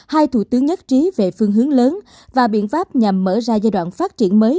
hai thủ tướng nhất trí về phương hướng lớn và biện pháp nhằm mở ra giai đoạn phát triển mới